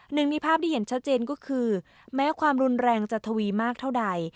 หนึ่งในภาพที่เห็นชัดเจนก็คือแม้ความรุนแรงจะทวีมากเท่าใด